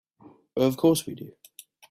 Of course we do.